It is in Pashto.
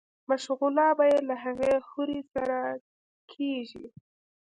مشغولا به ئې له هغې حورې سره کيږي